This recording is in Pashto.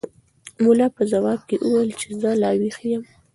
ملا په ځواب کې وویل چې زه لا ویښ یم.